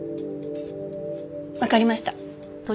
わかりました。